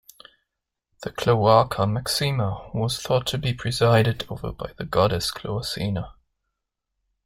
The Cloaca Maxima was thought to be presided over by the goddess Cloacina.